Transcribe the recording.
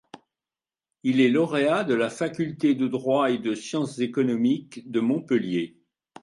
Il est Lauréat de la Faculté de droit et de sciences économiques de Montpellier.